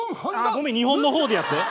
ごめん日本の方でやって。